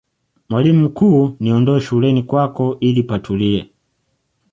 mwalimu mkuu niondoe shuleni kwako ili patulie